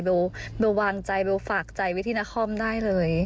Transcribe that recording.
เบลล์วางใจเบลล์ฝากใจไว้ที่นักคล่อมได้เลย